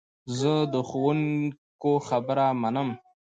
زه د ښوونکو خبره منم.